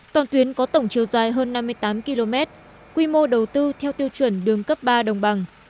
toàn tuyến có tổng chiều dài hơn năm mươi tám km quy mô đầu tư theo tiêu chuẩn đường cấp ba đồng bằng